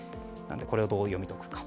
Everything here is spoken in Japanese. これをどう読み解くか。